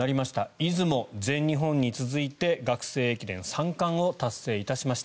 出雲、全日本に続いて学生駅伝３冠を達成しました。